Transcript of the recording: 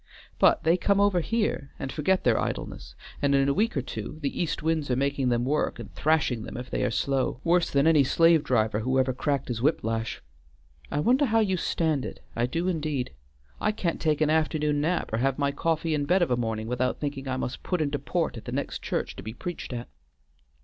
But they come over here and forget their idleness, and in a week or two the east winds are making them work, and thrashing them if they are slow, worse than any slave driver who ever cracked his whip lash. I wonder how you stand it; I do, indeed! I can't take an afternoon nap or have my coffee in bed of a morning without thinking I must put into port at the next church to be preached at."